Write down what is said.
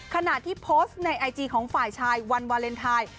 ขณะที่โพสต์ในไอจีของฝ่ายชายวันวาเลนไทย